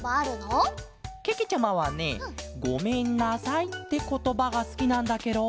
けけちゃまはね「ごめんなさい」ってことばがすきなんだケロ。